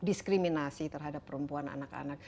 diskriminasi terhadap perempuan anak anak